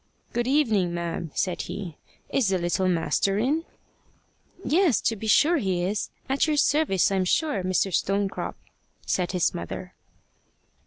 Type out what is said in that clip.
"Good evening, ma'am," said he. "Is the little master in?" "Yes, to be sure he is at your service, I'm sure, Mr. Stonecrop," said his mother.